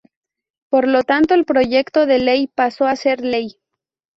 Por lo tanto el proyecto de ley pasó a ser ley.